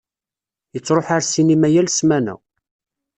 Yettṛuḥu ar ssinima yal ssmana.